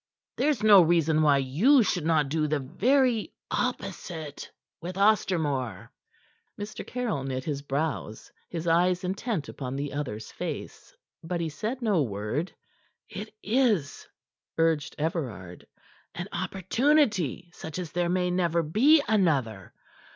There is no reason why you should not do the very opposite with Ostermore." Mr. Caryll knit his brows, his eyes intent upon the other's face; but he said no word. "It is," urged Everard, "an opportunity such as there may never be another.